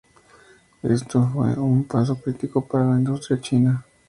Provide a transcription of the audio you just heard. Esto fue un paso crítico para la industria china.